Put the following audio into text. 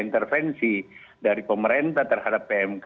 intervensi dari pemerintah terhadap pmk